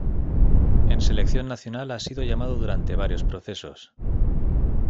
En Selección Nacional ha sido llamado durante varios procesos.